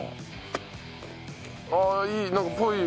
ああいい。